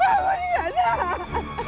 aku di kandang